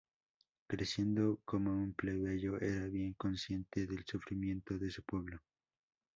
Creciendo como un plebeyo, era bien consciente del sufrimiento de su pueblo.